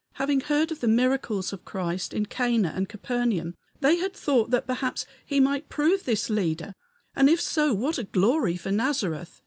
Having heard of the miracles of Christ in Cana and Capernaum, they had thought that perhaps he might prove this Leader, and if so, what a glory for Nazareth!